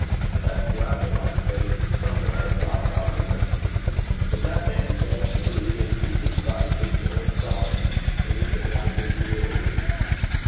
'That's rather like faith somewhere!' thought Falconer. 'Could that man fail to believe in Jesus Christ if he only saw him anything like as he is?'